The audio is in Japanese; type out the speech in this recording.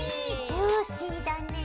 ジューシーだね。